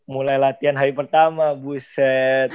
mulai latihan hari pertama booset